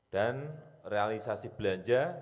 dan realisasi belanja